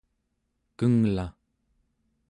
kenglaᵉ